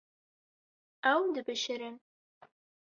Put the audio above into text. Ew dibişirin.